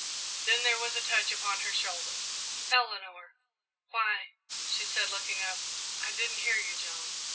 Then there was a touch upon her shoulder. "Eleanor!" "Why," she said, looking up, "I didn't hear you, John."